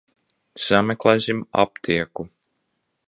Sameklēsim aptieku.